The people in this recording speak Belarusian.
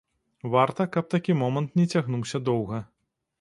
Варта, каб такі момант не цягнуўся доўга.